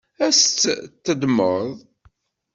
Ad tt-teddmeḍ?